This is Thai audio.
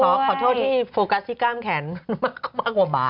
ขอโทษที่โฟกัสที่กล้ามแขนมากกว่าหมา